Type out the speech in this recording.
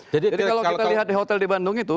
jadi kalau kita lihat di hotel di bandung itu